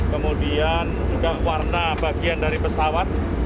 kemudian juga warna bagian dari pesawat